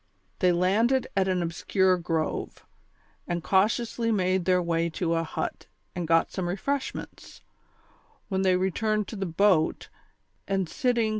They landed at an obscure grove, and cautiously made their way to a hut and got some refreshments, wlien they re turned to the boat, and sitting t.